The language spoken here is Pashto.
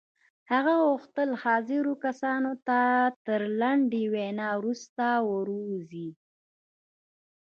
هغه غوښتل حاضرو کسانو ته تر لنډې وينا وروسته ووځي.